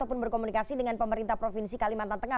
ataupun berkomunikasi dengan pemerintah provinsi kalimantan tengah